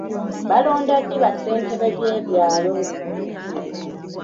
Balonda ddi ba ssentebe b'ebyalo?